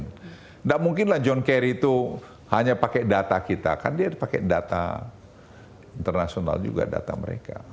tidak mungkinlah john carry itu hanya pakai data kita kan dia pakai data internasional juga data mereka